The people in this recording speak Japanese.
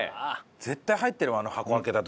絶対入ってるわあの箱開けた時にね。